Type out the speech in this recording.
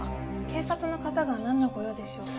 警察の方がなんのご用でしょう？